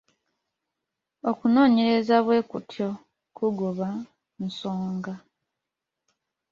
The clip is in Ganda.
Okunoonyereza bwe kutyo kugoba nsonga.